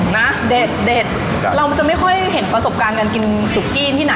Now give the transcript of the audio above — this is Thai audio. นะเด็ดเด็ดครับเราจะไม่ค่อยเห็นประสบการณ์กันกินสุกี้